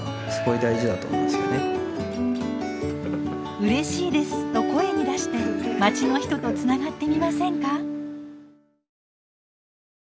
「うれしいです」と声に出してまちの人とつながってみませんか？